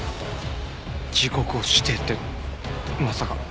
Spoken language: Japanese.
時刻を指定ってまさか！？